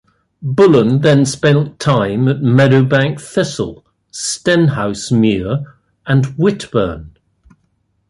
Bullen then spent time at Meadowbank Thistle, Stenhousemuir and Whitburn.